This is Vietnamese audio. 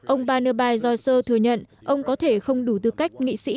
ông barnaby joycer thừa nhận ông có thể không đủ tư cách nghị sĩ